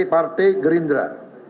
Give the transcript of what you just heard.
dpp partai gerindra